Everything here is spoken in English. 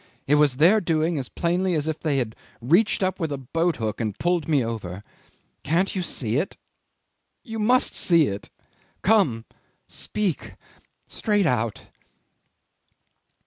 It was their doing as plainly as if they had reached up with a boat hook and pulled me over. Can't you see it? You must see it. Come. Speak straight out."